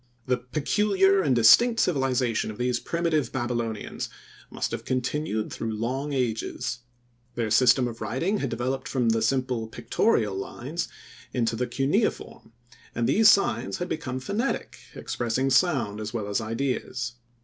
The peculiar and distinct civilization of these primitive Babylonians must have continued through long ages. Their system of writing had developed from the simple pictorial lines into the cuneiform and these signs had become phonetic, expressing sound as well as ideas.